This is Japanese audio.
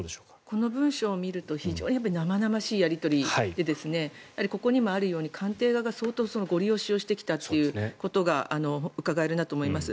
この文書を見ると非常に生々しいやり取りでここにもあるように官邸側が相当ごり押しをしてきたということがうかがえるなと思います。